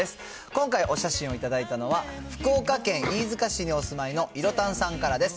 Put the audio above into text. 今回お写真を頂いたのは、福岡県飯塚市にお住まいのいろたんさんからです。